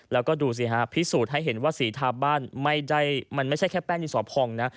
แล้วก็ดูสิฮะพิสูจน์ให้เห็นว่าสีทาบ้านไม่ได้มันไม่ใช่แค่แป้งดินสอพองนะ